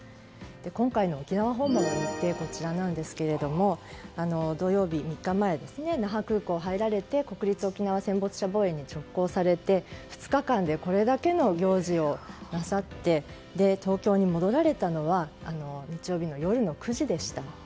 今回の沖縄訪問の日程がこちらなんですけれども土曜日、３日前に那覇空港に入られて国立沖縄戦没者墓苑に直行されて２日間でこれだけの行事をなさって東京に戻られたのは日曜日の夜の９時でした。